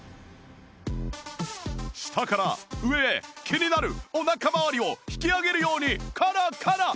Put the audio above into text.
下から上へ気になるお腹まわりを引き上げるようにコロコロ